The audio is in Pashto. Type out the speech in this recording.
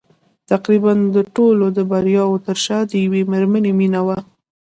تقريباً د ټولو د برياوو تر شا د يوې مېرمنې مينه وه.